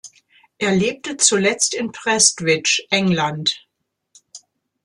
Er lebte zuletzt in Prestwich, England.